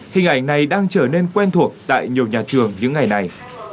hình ảnh này đang trở nên quen thuộc tại nhiều nhà trường những ngày này